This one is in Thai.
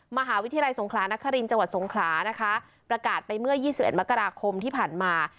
มหาวิทยาลัยสงขลานครินทร์จังหวัดสงขลานะคะประกาศไปเมื่อ๒๑มกราคมที่ผ่านมา